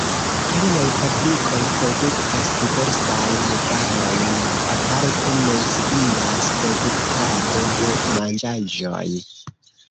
Aliaj fabrikoj produktas diversajn varojn, aparte menciindas produktado de manĝaĵoj.